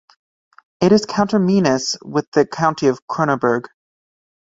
It is conterminous with the county of Kronoberg.